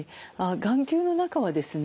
眼球の中はですね